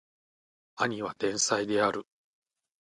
兄は天才である